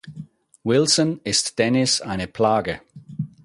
Wilson ist Dennis eine Plage.